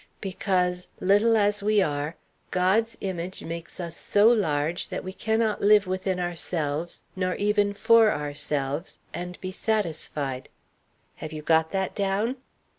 'because, little as we are, God's image makes us so large that we cannot live within ourselves, nor even for ourselves, and be satisfied.' Have you got that down?